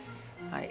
はい。